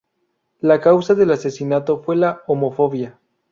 La causa del asesinato fue la homofobia.